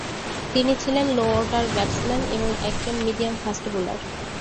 তিনি ছিলেন low order batsman এবং একজন মিডিয়াম ফাস্ট বোলার।